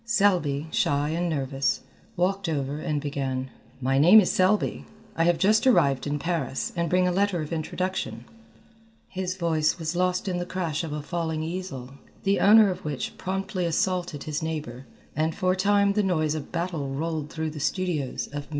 Selby, shy and nervous, walked over and began: "My name is Selby, I have just arrived in Paris, and bring a letter of introduction " His voice was lost in the crash of a falling easel, the owner of which promptly assaulted his neighbour, and for a time the noise of battle rolled through the studios of MM.